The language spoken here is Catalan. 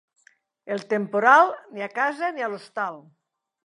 El temporal, ni a casa ni a l'hostal.